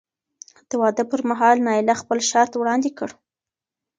د واده پر مهال نایله خپل شرط وړاندې کړ.